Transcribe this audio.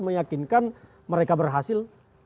meyakinkan mereka berhasil